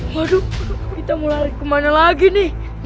waduh kita mau lari ke mana lagi nih